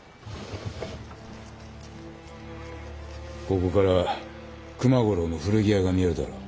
ここから熊五郎の古着屋が見えるだろう？